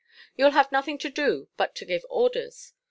You'll have nothing to do but to give orders.